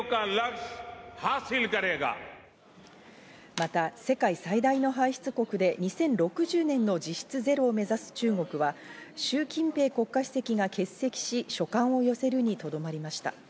また世界最大の排出国で２０６０年の実質ゼロを目指す中国は、シュウ・キンペイ国家主席が欠席し、書簡を寄せるに留まりました。